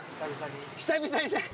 久々にね。